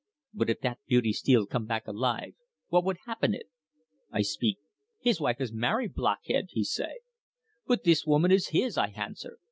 'But if that Beauty Steele come back alive, what would happen it?' I speak. 'His wife is marry, blockhead!' he say. "'But the woman is his,' I hanswer.